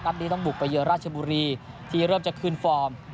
นี้ต้องบุกไปเยือราชบุรีที่เริ่มจะคืนฟอร์ม